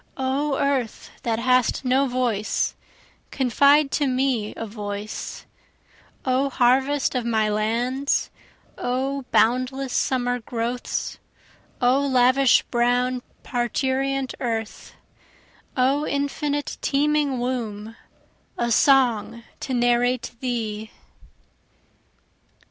O earth that hast no voice, confide to me a voice, O harvest of my lands O boundless summer growths, O lavish brown parturient earth O infinite teeming womb, A song to narrate thee.